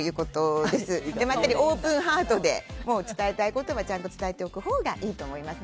オープンハートで伝えたいことはちゃんと伝えたほうがいいと思います。